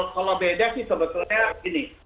kalau beda sih sebetulnya gini